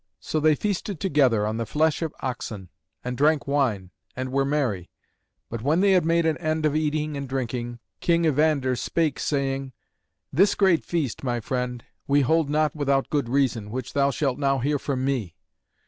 So they feasted together on the flesh of oxen, and drank wine, and were merry. And when they had made an end of eating and drinking, King Evander spake, saying, "This great feast, my friend, we hold not without good reason, which thou shalt now hear from me.